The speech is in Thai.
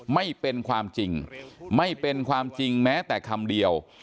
ไม่เป็นความจริงไม่เป็นความจริงแม้แต่คำเดียว